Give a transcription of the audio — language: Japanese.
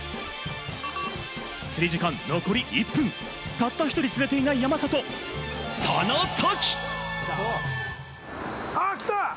釣り時間残り１分、たった１人釣れていない山里、その時！